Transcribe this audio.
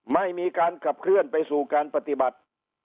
ไม่มีการขับเคลื่อนไปสู่การปฏิบัติ